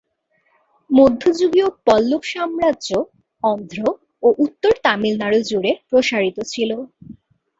মধ্যযুগীয় পল্লব সাম্রাজ্য অন্ধ্র ও উত্তর তামিলনাড়ু জুড়ে প্রসারিত ছিল।